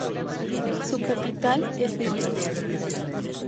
Su capital es Nola.